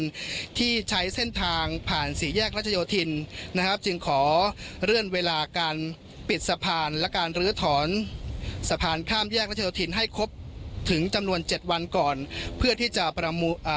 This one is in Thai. ที่ใช้เส้นทางผ่านสี่แยกรัชโยธินนะครับจึงขอเลื่อนเวลาการปิดสะพานและการลื้อถอนสะพานข้ามแยกรัชโยธินให้ครบถึงจำนวนเจ็ดวันก่อนเพื่อที่จะประมูลอ่า